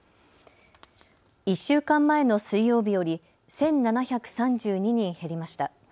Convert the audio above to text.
１週間前の水曜日より１７３２人減りました。